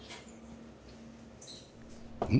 うん？